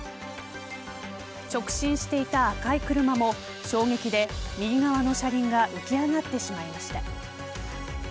直進していた赤い車も衝撃で右側の車輪が浮き上がってしまいました。